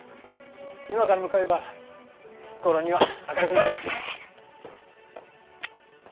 今から向かえば着く頃には明るくなりますよ。